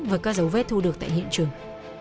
với các dấu vết thu được tại hiện trường